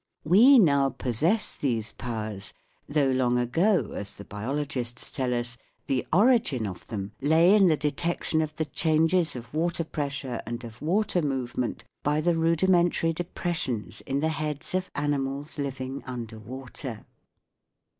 We now possess these powers, though long ago, as the biologists tell us, the origin of them lay in the detection of the changes of water pressure and of water move 154 THE WORLD OF SOUND ment by the rudimentary depressions in the heads of animals living under water.